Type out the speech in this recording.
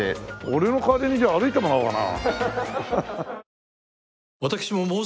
俺の代わりにじゃあ歩いてもらおうかな。